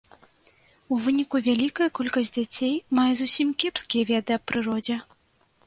У выніку вялікая колькасць дзяцей мае зусім кепскія веды аб прыродзе.